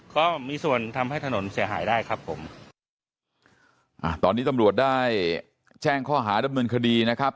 ก็มีส่วนทำให้ถนนเสียหายได้ครับผมอ่าตอนนี้ตำรวจได้แจ้งข้อหาดำเนินคดีนะครับ